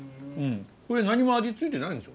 これ何も味付いてないんですよね？